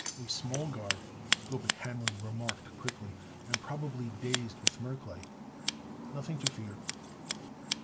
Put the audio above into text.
"A small guard," Gobet Hanlon remarked quickly, "and probably dazed with merclite. Nothing to fear."